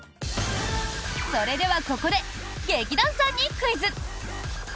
それではここで劇団さんにクイズ！